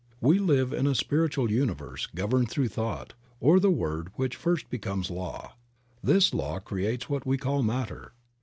We live in a Spiritual universe governed through thought, or the word which first becomes law; this law creates what we call matter.